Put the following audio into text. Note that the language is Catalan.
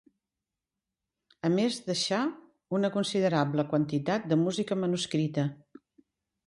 A més deixà, una considerable quantitat de música manuscrita.